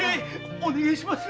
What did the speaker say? お願いしますよ。